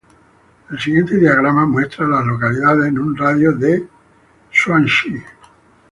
El siguiente diagrama muestra a las localidades en un radio de de Swansea.